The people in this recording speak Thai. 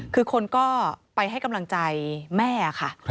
คือคนก็ไปให้กำลังใจแม่ค่ะ